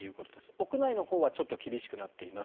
屋内のほうはちょっと厳しくなっています。